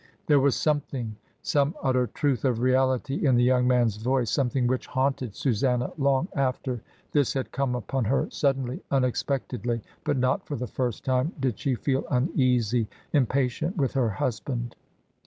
There was something, some utter truth of reality in the young man's voice, something which haunted 19' 292 MRS. DYMOND, Susanna long after. This had come upon her sud denly, unexpectedly, but not for the first time did she feel uneasy, impatient with her husband.